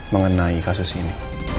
mengenai kasus ini